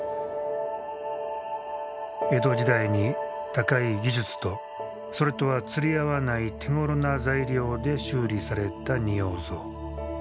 江戸時代に高い技術とそれとは釣り合わない手ごろな材料で修理された仁王像。